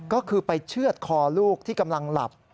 ก็คือไปเชื่อดคอลูกที่กำลังหลับ